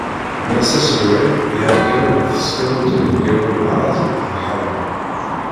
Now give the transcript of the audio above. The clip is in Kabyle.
Mass Aselway, iɛeggalen n tesqamut inebgawen n lɛez d lḥerma.